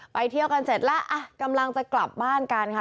เที่ยวกันเสร็จแล้วอ่ะกำลังจะกลับบ้านกันค่ะ